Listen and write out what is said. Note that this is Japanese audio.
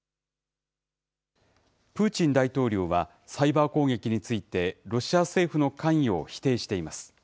プーチン大統領は、サイバー攻撃についてロシア政府の関与を否定しています。